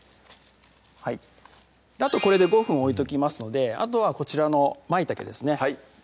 あとこれで５分おいときますのであとはこちらのまいたけですね